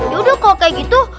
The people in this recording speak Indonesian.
yaudah kalo kayak gitu